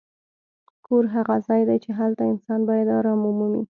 کور هغه ځای دی چې هلته انسان باید ارام ومومي.